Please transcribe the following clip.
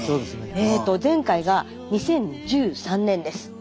前回が２０１３年です。